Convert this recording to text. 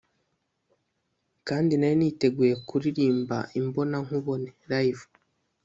kandi nari niteguye kuririmba imbona nkubone(live)